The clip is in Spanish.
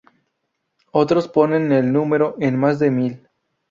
Otros ponen el número en más de mil.